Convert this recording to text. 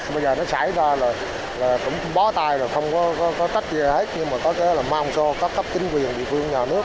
bây giờ nó xảy ra là cũng bó tay rồi không có tách gì hết nhưng mà có cái là mong cho các cấp chính quyền địa phương nhà nước